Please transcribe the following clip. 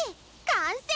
完成！